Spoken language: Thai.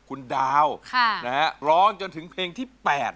คุณดาวร้องจนถึงเพลงที่๘นะครับ